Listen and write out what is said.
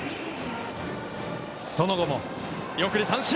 その後も見送り三振！